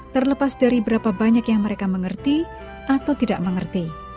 terlepas dari berapa banyak yang mereka mengerti atau tidak mengerti